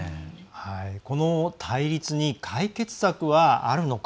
この対立に解決策はあるのか。